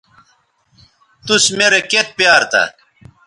توس میرے کیئت پیار تھا